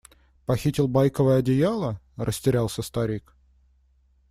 Похитил байковое одеяло? – растерялся старик.